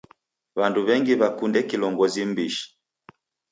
W'andu w'engi w'akunde kilongozi m'mbishi.